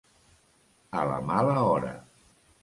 A la mala hora.